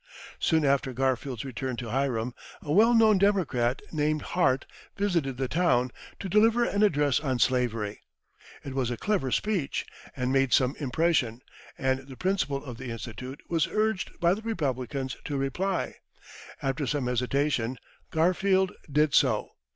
Soon after Garfield's return to Hiram, a well known Democrat named Hart visited the town, to deliver an address on slavery. It was a clever speech, and made some impression, and the principal of the Institute was urged by the Republicans to reply. After some hesitation, Garfield did so.